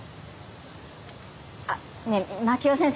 あっねえ真樹夫先生